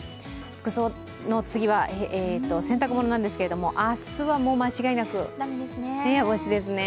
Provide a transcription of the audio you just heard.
服装の次は洗濯物なんですけれども明日は間違いなく部屋干しですね。